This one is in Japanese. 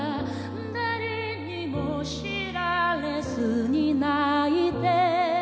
「誰にも知られずに泣いて」